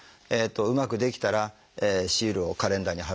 うまくできたらシールをカレンダーに貼るとかですね。